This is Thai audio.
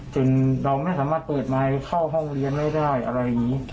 จนไม่สามารถเปิดไม้เข้าห้องเรียนได้